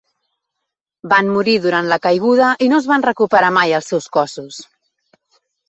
Van morir durant la caiguda i no es van recuperar mai els seus cossos.